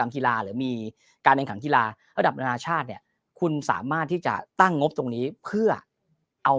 ธีราระดับนาชาติเนี่ยคุณสามารถที่จะตั้งงบตรงนี้เพื่อเอา